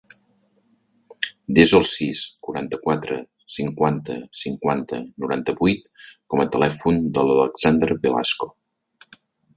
Desa el sis, quaranta-quatre, cinquanta, cinquanta, noranta-vuit com a telèfon de l'Alexandra Velasco.